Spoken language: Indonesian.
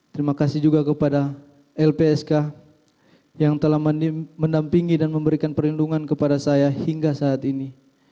terima kasih juga kepada lpsk yang telah mendampingi dan memberikan perlindungan kepada saya hingga saat ini